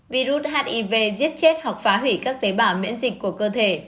virus hiv giết chết hoặc phá hủy các tế bào miễn dịch của cơ thể